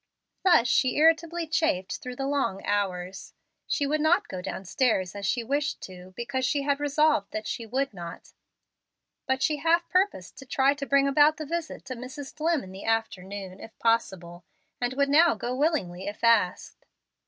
Thus she irritably chafed through the long hours. She would not go downstairs as she wished to, because she had resolved that she would not. But she half purposed to try and bring about the visit to Mrs. Dlimm in the afternoon, if possible, and would now go willingly, if asked.